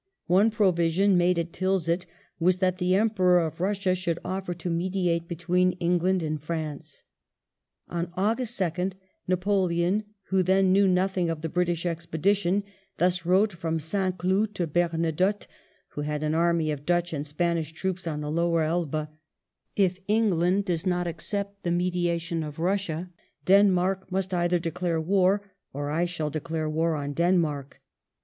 One provision made at Tilsit was th'at the Emperor of Bussia should offer to mediate between England and France. On August 2nd Napoleon, who then knew nothing of the British expedition, thus wrote from St. Cloud to Bemadotte, who had an army of Dutch and Spanish troops on the Lower Elbe, —" If England does not accept the mediation of Eussia, Den mark must either declare war or I shall declare war on Denmark.